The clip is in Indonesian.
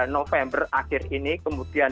november akhir ini kemudian